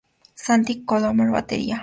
Santi Colomer: Batería.